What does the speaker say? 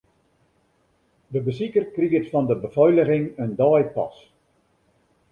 De besiker kriget fan de befeiliging in deipas.